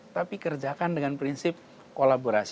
tapi kerjakan dengan prinsip kolaborasi